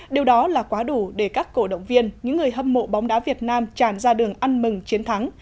điều đó là quá đủ để các cổ động viên những người hâm mộ bóng đá việt nam tràn ra đường ăn mừng chiến thắng